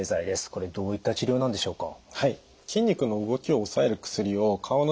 これどういった治療なんでしょうか？